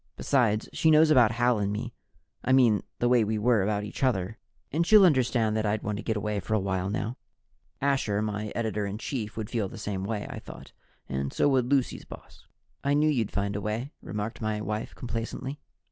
Besides, she knows about Hal and me I mean the way we are about each other and she'll understand that I'd want to get away for a while now." Asher, my editor in chief, would feel the same way, I thought, and so would Lucy's boss. "I knew you'd find a way," remarked my wife complacently.